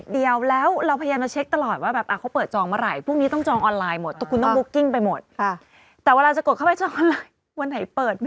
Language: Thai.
อ๋อเดี๋ยวเขาจะประกาศแล้วก็มีโพต้าต่างประเทศอย่างเงี้ย